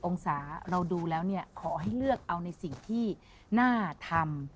องศาเราดูแล้วเนี่ยขอให้เลือกเอาในสิ่งที่น่าทำ